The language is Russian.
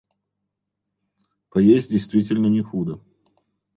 Поесть действительно не худо.